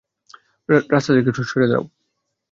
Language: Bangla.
রাস্তা থেকে সরে দাঁড়াও!